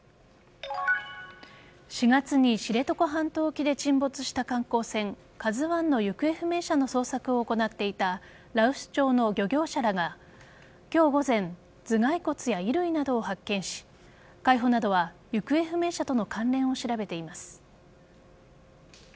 ４月に知床半島沖で沈没した観光船「ＫＡＺＵ１」の行方不明者の捜索を行っていた羅臼町の漁業者らが今日午前頭蓋骨や衣類などを発見し海保などは行方不明者との関連を調べています。